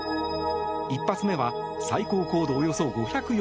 １発目は最高高度およそ５４０ｋｍ